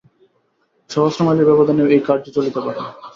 সহস্র মাইলের ব্যবধানেও এই কার্য চলিতে পারে।